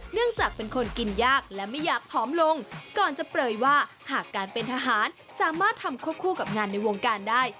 เนื่องจากเป็นคนกินยากและไม่อยากผอมลงก่อนจะเปลยว่าหากการเป็นทหารสามารถทำควบคู่กับงานในวงการได้